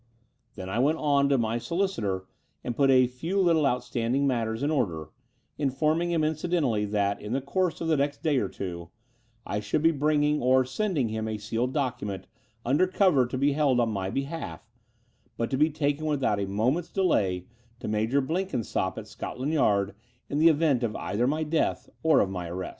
Then I went on to my solicitor and put a few little outstanding matters in order, in forming him incidentally that, in the course of the next day or two, I should be bringing or sending him a sealed document under cover to be hdd on my behalf, but to be taken without a moment's delay to Major Blenkinsopp at Scotland Yard in the event either of my death or of my arrest.